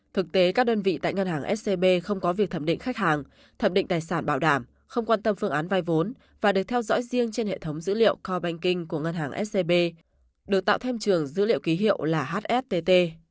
thực tế các đơn vị tại ngân hàng scb không có việc thẩm định khách hàng thẩm định tài sản bảo đảm không quan tâm phương án vai vốn và được theo dõi riêng trên hệ thống dữ liệu co banking của ngân hàng scb được tạo thêm trường dữ liệu ký hiệu là hstt